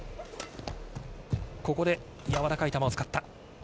ここでやわらかい球を使った。